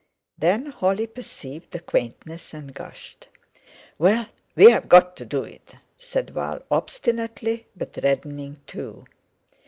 Then Holly perceived the quaintness and gushed. "Well, we've got to do it," said Val obstinately, but reddening too.